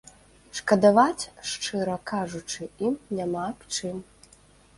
Шкадаваць, шчыра кажучы, ім няма аб чым.